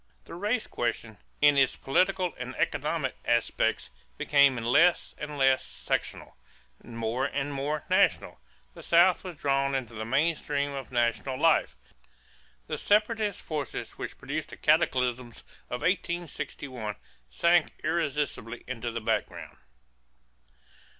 The race question, in its political and economic aspects, became less and less sectional, more and more national. The South was drawn into the main stream of national life. The separatist forces which produced the cataclysm of 1861 sank irresistibly into the background.